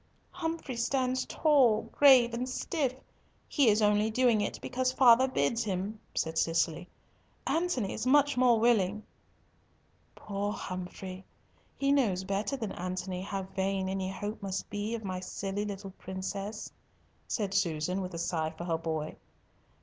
"Humfrey stands tall, grave, and stiff! He is only doing it because father bids him," said Cicely. "Antony is much more willing." "Poor Humfrey! he knows better than Antony how vain any hope must be of my silly little princess," said Susan, with a sigh for her boy.